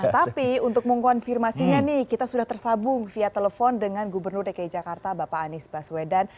tapi untuk mengkonfirmasinya nih kita sudah tersabung via telepon dengan gubernur dki jakarta bapak anies baswedan